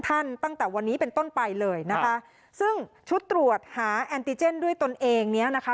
ตั้งแต่วันนี้เป็นต้นไปเลยนะคะซึ่งชุดตรวจหาแอนติเจนด้วยตนเองเนี้ยนะคะ